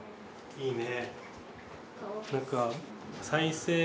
いいね。